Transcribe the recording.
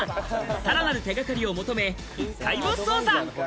さらなる手がかりを求め１階を捜査。